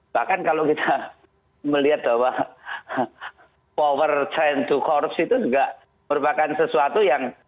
bahkan kalau kita melihat bahwa power trend to korupsi itu juga merupakan sesuatu